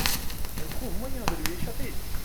Elle trouve moyen de lui échapper.